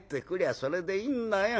それでいいんだよ。